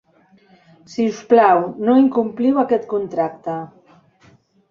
Si us plau, no incompliu aquest contracte.